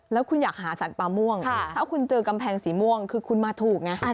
แล้วคุณอยากหาสัตว์ป่าม่วงถ้าคุณเจอกำแพงสีม่วงคือคุณมาถูกไง